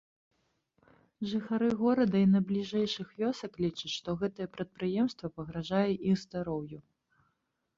Жыхары горада і найбліжэйшых вёсак лічаць, што гэтае прадпрыемства пагражае іх здароўю.